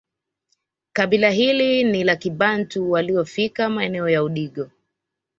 Kabila hili ni la kibantu waliofika maeneo ya Udigo